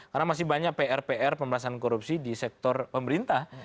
karena masih banyak pr pr pemerintahan korupsi di sektor pemerintah